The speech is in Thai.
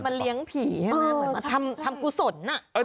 มันเลี้ยงผีทำกุศล